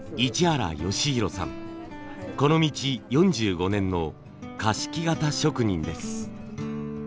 この道４５年の菓子木型職人です。